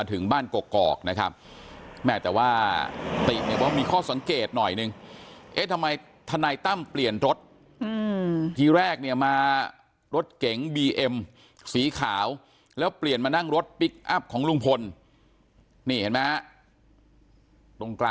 รู้ความรู้ความรู้ความรู้ความรู้ความรู้ความรู้ความรู้ความรู้ความรู้ความรู้ความรู้ความรู้ความรู้ความ